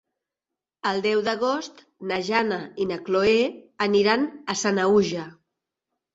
El deu d'agost na Jana i na Chloé aniran a Sanaüja.